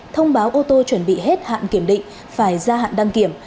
thông báo ô tô chuẩn bị hết hạn kiểm định phải ra hạn đăng kiểm